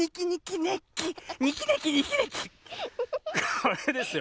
これですよ。